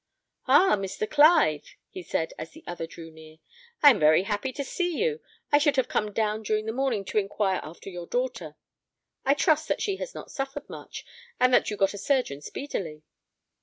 "Ah! Mr. Clive," he said, as the other drew near, "I am very happy to see you; I should have come down during the morning to inquire after your daughter. I trust that she has not suffered much, and that you got a surgeon speedily."